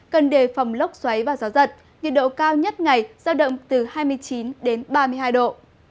cần đề phòng lốc xoáy và gió giật nhiệt độ cao nhất ngày giao động từ hai mươi chín đến ba mươi hai độ